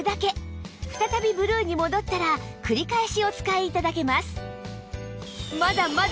再びブルーに戻ったら繰り返しお使い頂けます